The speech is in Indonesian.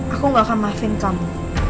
aku gak akan maafin kamu